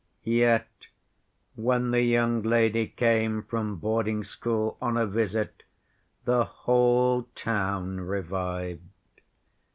"Yet, when the young lady came from boarding‐school on a visit, the whole town revived.